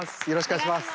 お願いします。